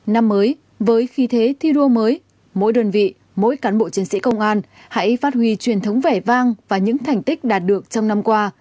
năm mới với khí thế thi đua mới mỗi đơn vị mỗi cán bộ chiến sĩ công an hãy phát huy truyền thống vẻ vang và những thành tích đạt được trong năm qua